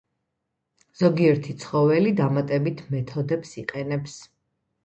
ზოგიერთი ცხოველი დამატებით მეთოდებს იყენებს.